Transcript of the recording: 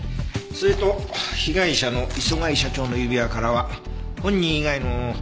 それと被害者の磯貝社長の指輪からは本人以外の指紋が検出されたよ。